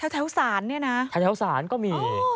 แถวศาลเนี่ยนะแถวศาลก็มี